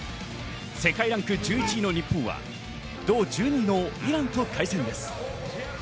世界ランク１１位の日本は１２位のイランと対戦です。